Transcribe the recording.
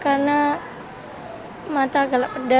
terus nafas nggak lemak